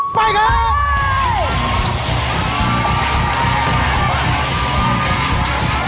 ไปค่ะ